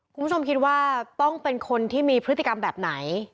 คุณผู้ชมคิดว่าต้องเป็นคนที่มีพฤติกรรมแบบไหน